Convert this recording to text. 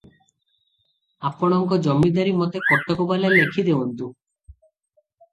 ଆପଣଙ୍କ ଜମିଦାରୀ ମୋତେ କଟକବାଲା ଲେଖି ଦେଉନ୍ତୁ ।